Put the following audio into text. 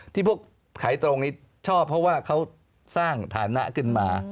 ที่พวกขายตรงนี้ชอบเพราะว่าเขาสร้างฐานะขึ้นมา